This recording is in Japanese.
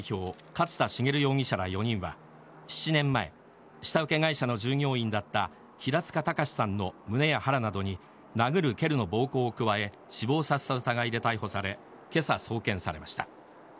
勝田茂容疑者ら４人は７年前、下請け会社の従業員だった平塚崇さんの胸や腹などに殴る、蹴るの暴行を加え死亡させた疑いで逮捕され今朝、送検されました。